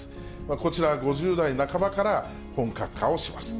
こちら５０代半ばから本格化をします。